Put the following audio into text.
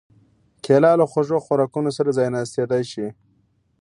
کېله له خوږو خوراکونو سره ځایناستېدای شي.